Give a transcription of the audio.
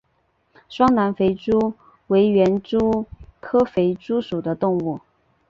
双南肥蛛为园蛛科肥蛛属的动物。